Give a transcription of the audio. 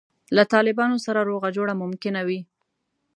له طالبانو سره روغه جوړه ممکنه وي.